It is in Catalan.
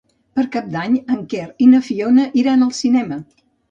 Per Cap d'Any en Quer i na Fiona iran al cinema.